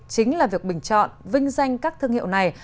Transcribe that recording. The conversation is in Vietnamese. chính là việc bình chọn vinh danh các thương hiệu này